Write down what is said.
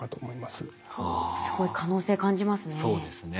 すごい可能性感じますね。